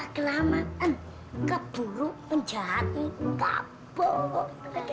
kelamaan keburuk penjahat kapok